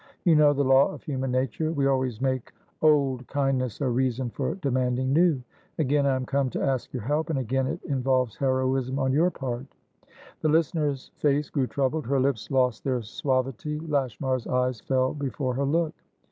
You know the law of human nature; we always make old kindness a reason for demanding new. Again I am come to ask your help, and again it involves heroism on your part." The listener's face grew troubled; her lips lost their suavity. Lashmar's eyes fell before her look.